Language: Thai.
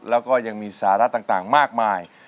แล้วก็ยังมีสาระต่างมากมาย